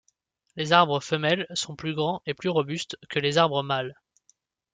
Les arbres femelles sont plus grands et plus robustes que les arbres mâles.